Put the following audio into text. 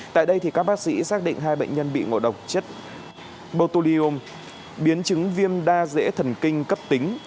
tại đây thì các bác sĩ xác định hai bệnh nhân bị ngộ độc chất botulium biến chứng viêm đa dễ thần kinh cấp tính